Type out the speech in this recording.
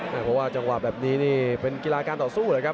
เพราะว่าจังหวะแบบนี้นี่เป็นกีฬาการต่อสู้เหรอครับ